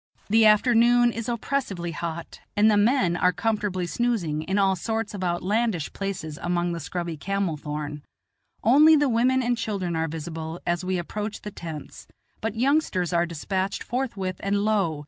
The afternoon is oppressively hot, and the men are comfortably snoozing in all sorts of outlandish places among the scrubby camel thorn. Only the I women and children are visible as we approach the tents; but youngsters are despatched forthwith, and, lo!